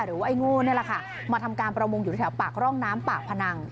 ไอ้โง่นี่แหละค่ะมาทำการประมงอยู่แถวปากร่องน้ำปากพนัง